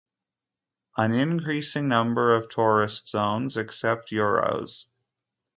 An increasing number of tourist zones accept Euros.